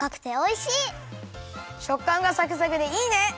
しょっかんがサクサクでいいね！